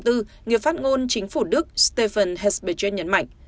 ngày bốn người phát ngôn chính phủ đức stefan hesberger nhấn mạnh